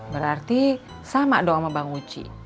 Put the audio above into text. berarti sama dong sama bang uci